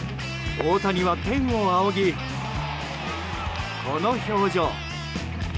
大谷は天を仰ぎ、この表情。